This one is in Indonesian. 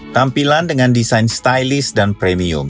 tampilan dengan desain stylist dan premium